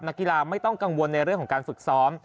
กีฬาไม่ต้องกังวลในเรื่องของการฝึกซ้อม